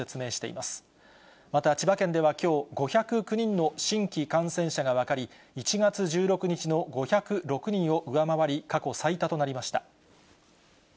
また千葉県ではきょう、５０９人の新規感染者が分かり、１月１６日の５０６人を上回り、過去最多となりました。